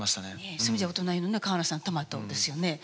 そういう意味じゃお隣の川名さんトマトですよね。